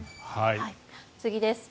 次です。